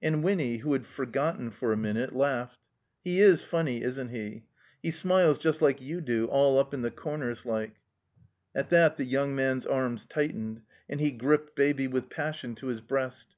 And Wixmy, who had forgotten for a minute, laughed. He is ftmny, isn't he? He smiles just like you do, all up in the comers like." At that the young man's arms tightened, and he gripped Baby with passion to his breast.